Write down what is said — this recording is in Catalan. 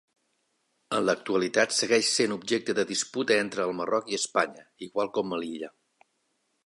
En l'actualitat segueix sent objecte de disputa entre el Marroc i Espanya, igual com Melilla.